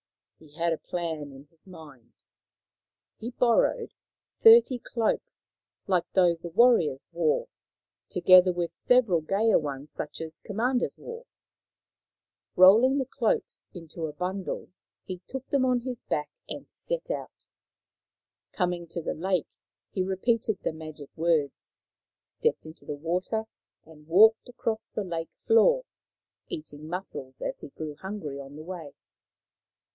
He had a plan in his mind. He borrowed thirty cloaks like those the warriors wore, together with several gayer ones such as commanders wore. Rolling the cloaks into a bundle, he took them on his back and set out. Coming to the lake, he repeated the magic words, stepped into the water, and walked across on the lake floor, eating mussels as he grew hungry on the way.